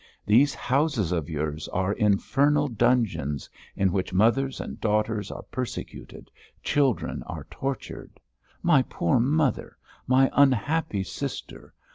These houses of yours are infernal dungeons in which mothers and daughters are persecuted, children are tortured.... My poor mother! My unhappy sister!